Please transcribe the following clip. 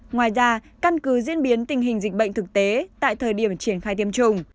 ngoài ra căn cứ diễn biến tình hình dịch bệnh thực tế tại thời điểm triển khai tiêm chủng